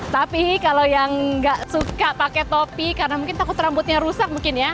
tapi kalau yang nggak suka pakai topi karena mungkin takut rambutnya rusak mungkin ya